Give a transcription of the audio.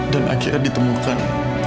dan akhirnya ditemukan